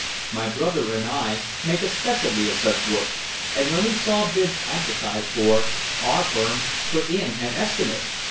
"My brother and I make a specialty of such work, and when we saw bids advertised for, our firm put in an estimate.